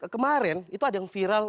kemarin itu ada yang viral